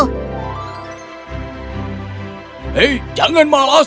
hei jangan malas